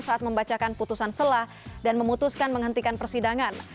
saat membacakan putusan selah dan memutuskan menghentikan persidangan